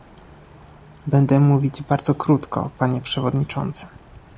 Będę mówić bardzo krótko, panie przewodniczący